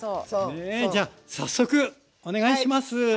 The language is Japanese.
ねえじゃ早速お願いします